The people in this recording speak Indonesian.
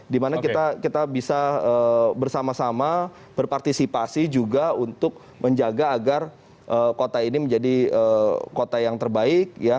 dimana kita bisa bersama sama berpartisipasi juga untuk menjaga agar kota ini menjadi kota yang terbaik ya